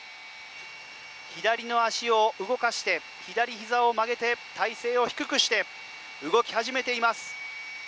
左の足を動かして左ひざを曲げて体勢を低くして動き始めています。